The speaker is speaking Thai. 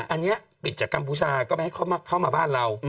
อันนี้ปิดจากกัมพูชาก็ไม่ให้เข้ามาบ้านเรา